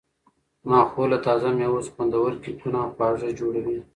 زما خور له تازه مېوو څخه خوندورې کیکونه او خواږه جوړوي.